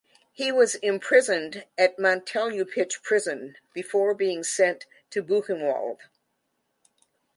He was imprisoned at Montelupich Prison before being sent to Buchenwald.